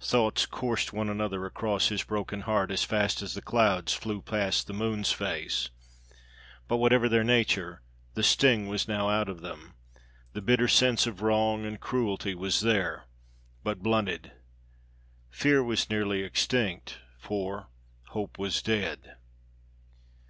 Thoughts coursed one another across his broken heart as fast as the clouds flew past the moon's face. But whatever their nature, the sting was now out of them. The bitter sense of wrong and cruelty was there, but blunted. Fear was nearly extinct, for hope was dead.